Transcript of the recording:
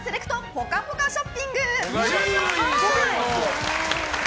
ぽかぽかショッピング！